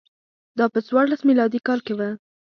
دا په څوارلس میلادي کال کې و